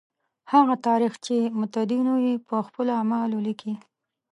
هغه تاریخ چې متدینو یې په خپلو اعمالو لیکلی.